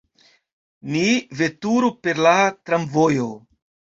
Ni veturu per la tramvojo.